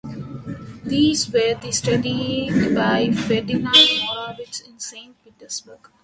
These were then studied by Ferdinand Morawitz in Saint Petersburg.